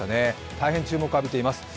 大変注目を浴びています。